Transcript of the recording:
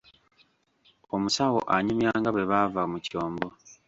Omusawo anyumya nga bwe baava mu kyombo.